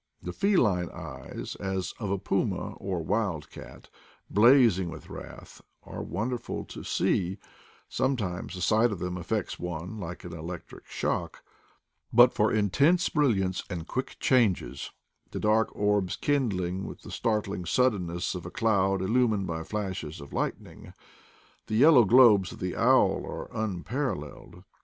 The feline eyes, as of a puma or wild cat, blazing with wrath, are wonderful to see ; sometimes the sight of them affects one like an electric shock; but for intense brilliance and quick changes, the dark orbs kindling with the startling suddenness of a cloud illumined by flashes of light ning, the yellow globes of the owl are unparalleled.